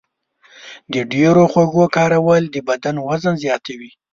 د ډېرو خوږو کارول د بدن وزن زیاتوي.